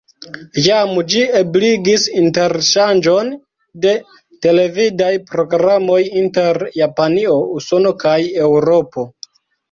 Jam ĝi ebligis interŝanĝon de televidaj programoj inter Japanio, Usono kaj Eŭropo.